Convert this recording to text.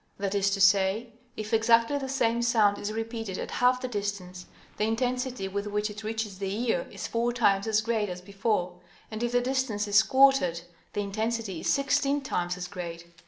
That is to say, if exactly the same sound is repeated at half the distance, the intensity with which it reaches the ear is four times as great as before, and if the distance is quartered, the intensity is sixteen times as great.